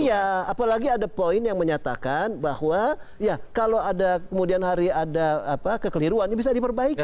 iya apalagi ada poin yang menyatakan bahwa ya kalau ada kemudian hari ada kekeliruan bisa diperbaiki